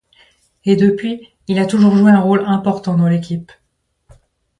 Et depuis il a toujours joué un rôle important dans l'équipe.